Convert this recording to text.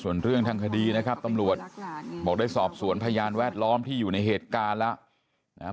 ส่วนเรื่องทางคดีนะครับตำรวจบอกได้สอบสวนพยานแวดล้อมที่อยู่ในเหตุการณ์แล้วนะครับ